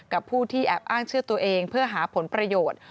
กับผู้ที่แอบอ้างชื่อตัวเองเพื่อหาผลประโยชน์